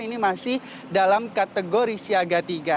ini masih dalam kategori siaga tiga